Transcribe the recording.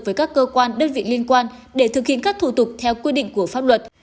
với các cơ quan đơn vị liên quan để thực hiện các thủ tục theo quy định của pháp luật